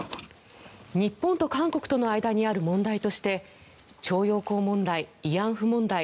日本と韓国との間にある問題として徴用工問題、慰安婦問題